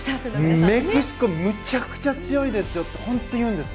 メキシコめちゃくちゃ強いですよって本当に言うんです。